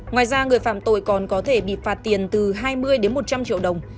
ngoài ra người phạm tội còn có thể bị phạt tiền từ hai mươi đến một trăm linh triệu đồng